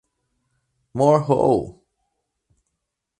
Mor ho!